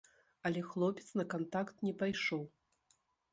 Але хлопец на кантакт не пайшоў.